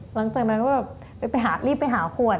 หลังจากนั้นก็แบบรีบไปหาขวด